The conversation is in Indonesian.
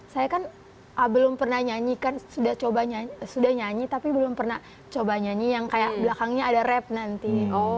saya kan belum pernah nyanyi kan sudah nyanyi tapi belum pernah coba nyanyi yang kayak belakangnya ada rap nanti